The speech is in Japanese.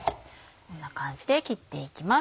こんな感じで切っていきます。